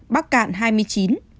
bắc cạn hai mươi chín